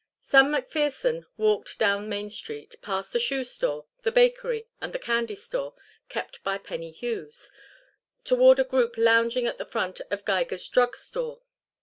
Sam McPherson walked down Main Street, past the shoe store, the bakery, and the candy store kept by Penny Hughes, toward a group lounging at the front of Geiger's drug store.